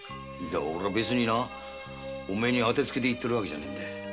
別になお前に当てつけで言ってるんじゃねえんだよ。